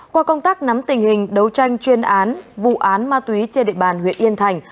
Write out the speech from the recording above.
qua công tác nắm tình hình đấu tranh chuyên án vụ án ma túy trên địa bàn huyện yên thành